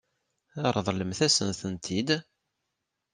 Ṛeḍlemt-asen-tent-id.